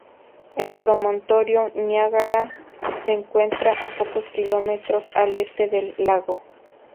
El promontorio Niágara se encuentra a pocos kilómetros al este del lago.